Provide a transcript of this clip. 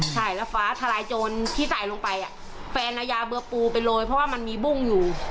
ใช่แล้วฟ้าทลายโจรที่ใส่ลงไปแฟนเอายาเบอร์ปูไปโรยเพราะว่ามันมีบุ้งอยู่